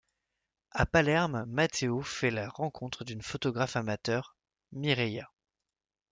À Palerme, Matteo fait la rencontre d'une photographe amateur, Mirella.